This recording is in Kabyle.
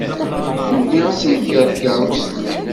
Tugi ad tenker tkeṛṛust-inu.